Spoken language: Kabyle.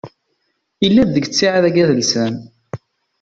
Yella-d deg ttiɛad-agi adelsan.